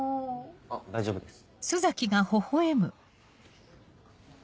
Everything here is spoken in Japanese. あっ大丈夫です。